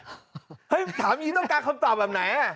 เฮ้ยถามอย่างนี้ต้องการคำตอบแบบไหน